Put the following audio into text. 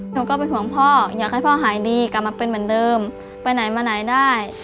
หนูก็เป็นห่วงพ่ออยากให้พ่อหายดีกลับมาเป็นเหมือนเดิมไปไหนมาไหนได้